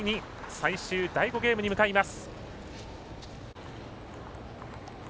最終第５ゲームに向かいます。